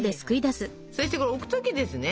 そしてこれ置く時ですね